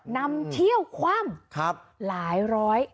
นำเที่ยวคว่ำหลายร้อย